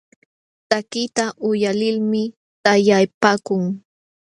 Takiqta uyalilmi taqllapaakun.